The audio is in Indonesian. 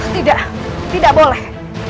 tidak tidak boleh